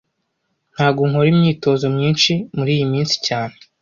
Ntago nkora imyitozo myinshi muriyi minsi cyane